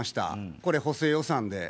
これ、補正予算で。